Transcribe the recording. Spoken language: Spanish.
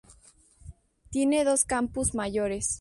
Tiene dos campus mayores.